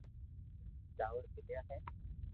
چاور ميليا ھي